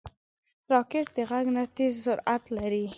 راکټ د غږ نه تېز سرعت لري